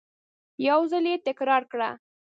یو ځل یې تکرار کړه !